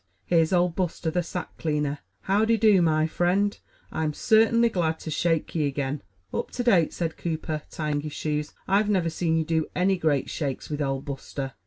"Here's Old Buster, the sack cleaner. Haowdy do, my friend? I'm sartainly glad to shake ye again." "Up to date," said Cooper, tying his shoes, "I've never seen you do any great shakes with Old Buster."